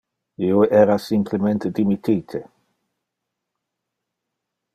Io era simplemente dimittite.